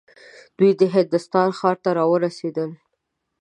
دوی د هندوستان ښار ته راورسېدل.